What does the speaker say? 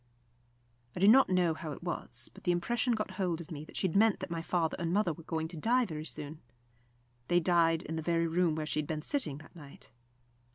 I do not know how it was, but the impression got hold of me that she had meant that my father and mother were going to die very soon. They died in the very room where she had been sitting that night.